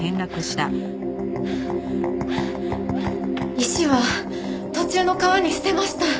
石は途中の川に捨てました。